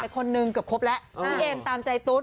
คนนึงเกือบครบแล้วพี่เอมตามใจตุ๊ด